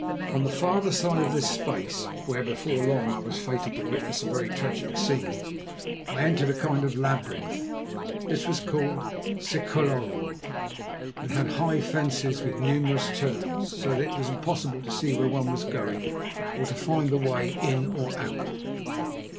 On the farther side of this space, where, before long, I was fated to witness a very tragic scene, I entered a kind of labyrinth. This was called siklohlo, and had high fences with numerous turns, so that it was impossible to see where one was going or to find the way in or out.